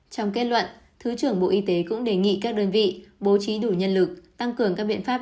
trong kết luận thứ trưởng bộ y tế cũng đề nghị các đơn vị bố trí đủ nhân lực tăng cường các biện pháp